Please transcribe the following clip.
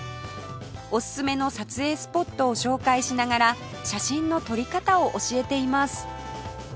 おすすめの撮影スポットを紹介しながら写真の撮り方を教えています